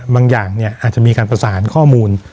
บางอย่างอาจจะมีการประสานข้อมูล